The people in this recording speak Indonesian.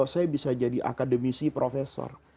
saya bisa jadi akademisi profesor